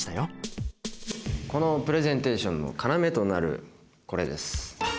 このプレゼンテーションの要となるこれです。